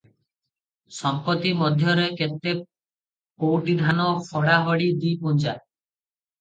ସମ୍ପତ୍ତି ମଧ୍ୟରେ କେତେ ପୌଟି ଧାନ, ହଡ଼ା ହଡ଼ି ଦି'ପୁଞ୍ଜା!